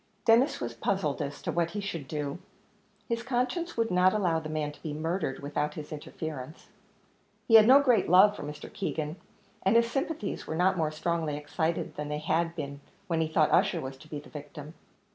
Denis was puzzled as to what he should do; his conscience would not allow the man to be murdered without his interference; he had no great love for Mr. Keegan, and his sympathies were not more strongly excited than they had been when he thought Ussher was to be the victim.